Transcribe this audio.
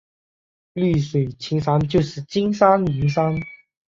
绿水青山就是金山银山